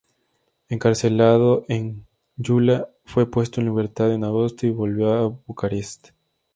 Encarcelado en Gyula, fue puesto en libertad en agosto y volvió a Bucarest.